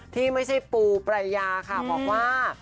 ที่ไม่ใช่ปูปรายาค่ะบอกว่า